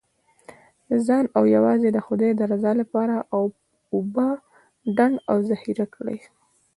د ځان او یوازې د خدای د رضا لپاره اوبه ډنډ او ذخیره کړئ.